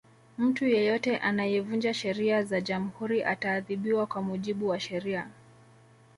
mtu yeyote anayevunja sheria za jamhuri ataadhibiwa kwa mujibu wa sheria